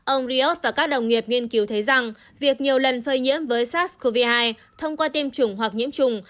ông rios và các đồng nghiệp nghiên cứu thấy rằng việc nhiều lần phơi nhiễm với sars cov hai thông qua tiêm chủng hoặc nhiễm chủng